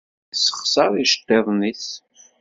Ad yessexṣer iceḍḍiḍen-nnes.